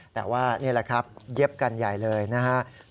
แต่ว่านี่แหละครับเย็บกันใหญ่เลยนะครับ